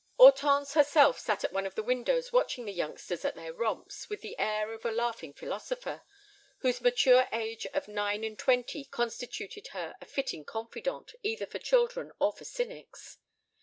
Hortense herself sat at one of the windows watching the youngsters at their romps with the air of a laughing philosopher, whose mature age of nine and twenty constituted her a fitting confidante either for children or for cynics.